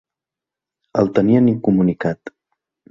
El tenien incomunicat